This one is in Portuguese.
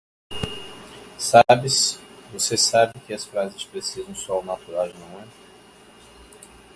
Vocês sabem que as frases precisam soar naturais, não é?